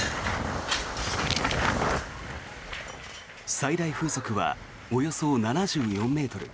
最大風速はおよそ７４ｍ。